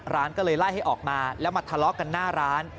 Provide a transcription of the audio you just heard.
ร้านก็เลยไล่ให้ออกมาแล้วมาทะเลาะกันหน้าร้าน